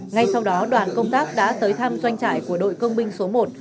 ngay sau đó đoàn công tác đã tới thăm doanh trại của đội công binh số một